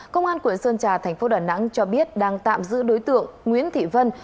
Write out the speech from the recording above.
công an quận sơn trà thành phố đà nẵng cho biết đang tạm giữ đối tượng nguyễn thị vân